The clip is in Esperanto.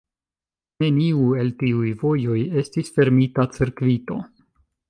Neniu el tiuj vojoj estis fermita cirkvito.